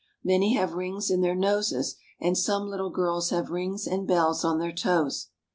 Many have rings in their noses, and some little girls have rings and bells on their toes.